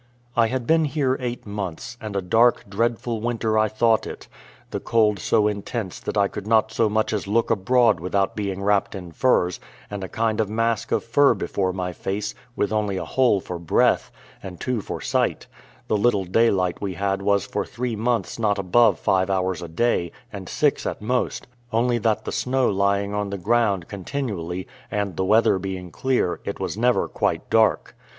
I had been here eight months, and a dark, dreadful winter I thought it; the cold so intense that I could not so much as look abroad without being wrapped in furs, and a kind of mask of fur before my face, with only a hole for breath, and two for sight: the little daylight we had was for three months not above five hours a day, and six at most; only that the snow lying on the ground continually, and the weather being clear, it was never quite dark.